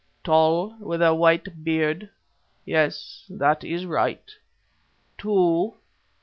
Tall, with a white beard. Yes, that is right. Two.